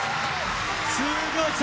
すごい。